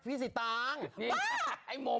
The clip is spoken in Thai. ประเทศไทยมาแล้วเนี้ยโมโม